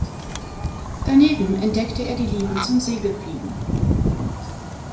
Daneben entdeckte er die Liebe zum Segelfliegen.